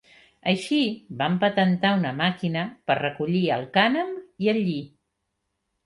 Així, van patentar una màquina per recollir el cànem i el lli.